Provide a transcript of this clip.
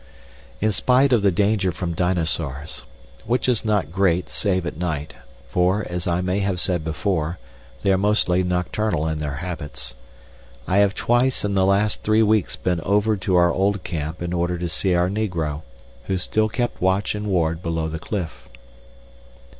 In spite of the danger from dinosaurs (which is not great save at night, for, as I may have said before, they are mostly nocturnal in their habits) I have twice in the last three weeks been over to our old camp in order to see our negro who still kept watch and ward below the cliff.